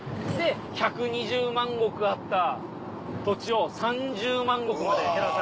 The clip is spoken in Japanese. １２０万石あった土地を３０万石まで減らされて。